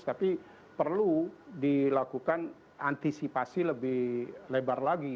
tapi perlu dilakukan antisipasi lebih lebar lagi